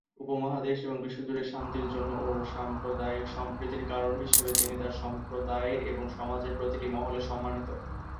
উপমহাদেশ এবং বিশ্বজুড়ে শান্তির পক্ষে ও সাম্প্রদায়িক সম্প্রীতির কারণ হিসাবে তিনি তাঁর সম্প্রদায়ের এবং সমাজের প্রতিটি মহলে সম্মানিত।